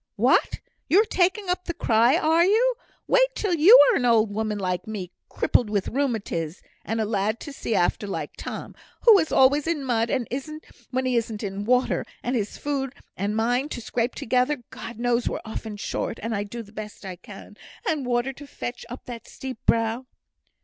"What! you're taking up the cry, are you? Wait till you are an old woman like me, crippled with rheumatiz, and a lad to see after like Tom, who is always in mud when he isn't in water; and his food and mine to scrape together (God knows we're often short, and do the best I can), and water to fetch up that steep brow."